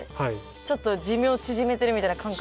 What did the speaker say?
ちょっと寿命縮めてるみたいな感覚。